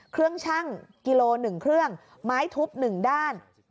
เครื่องชั่งกิโล๑เครื่องไม้ทุบ๑ด้าน